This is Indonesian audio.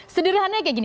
sederhananya kayak gini